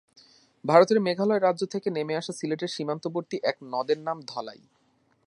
ভারতের মেঘালয় রাজ্য থেকে নেমে আসা সিলেটের সীমান্তবর্তী এক নদের নাম ধলাই।